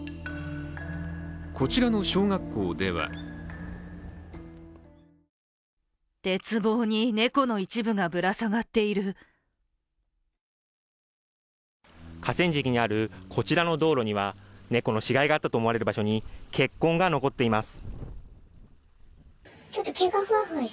こちらの小学校では河川敷にあるこちらの道路には猫の死骸があったと思われる場所に血痕が残っています。